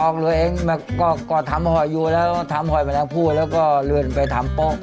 ออกเรือเองก็ทำผอดอยู่แล้วทำผอดดิฟภูมิแล้วก็เรือนไปทำโป๊ะ